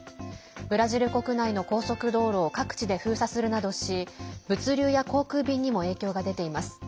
ブラジル国内の高速道路を各地で封鎖するなどし物流や航空便にも影響が出ています。